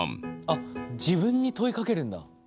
あっ自分に問いかけるんだ。